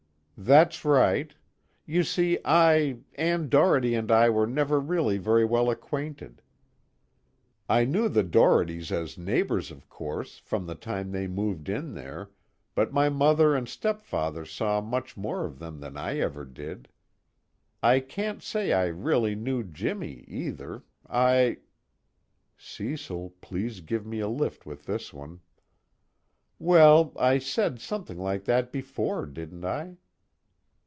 "That's right. You see, I Ann Doherty and I were never really very well acquainted. I knew the Dohertys as neighbors of course, from the time they moved in there, but my mother and stepfather saw much more of them than I ever did. I can't say I really knew Jimmy, either, I " (Cecil, please give me a lift with this one) "well, I said something like that before, didn't I?"